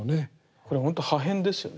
これほんと破片ですよね。